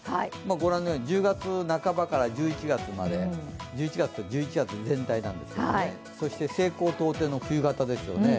１０月半ばから１１月まで、１１月全体なんですけど、そして西高東低の冬型ですよね。